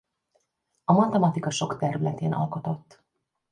A matematika sok területén alkotott.